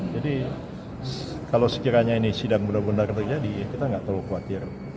jadi kalau sekiranya ini benar benar terjadi kita tidak terlalu khawatir